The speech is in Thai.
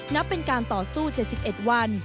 นับเป็นการต่อสู้๗๑วัน